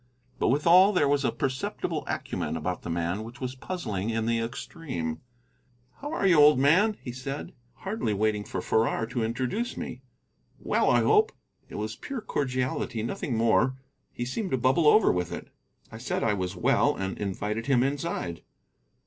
But withal there was a perceptible acumen about the man which was puzzling in the extreme. "How are you, old man?" said he, hardly waiting for Farrar to introduce me. "Well, I hope." It was pure cordiality, nothing more. He seemed to bubble over with it. I said I was well, and invited him inside.